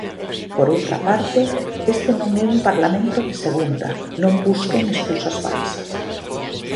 Por outra parte, este non é un parlamento de segunda, non busquen escusas falsas.